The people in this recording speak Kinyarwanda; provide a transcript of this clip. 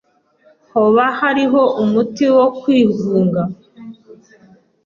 Hoba hariho umuti wo kwigunga?